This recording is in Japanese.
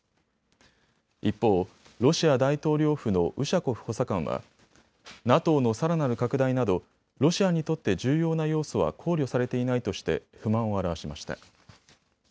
一方、ロシア大統領府のウシャコフ補佐官はＮＡＴＯのさらなる拡大などロシアにとって重要な要素は考慮されていないとして不満を表しました。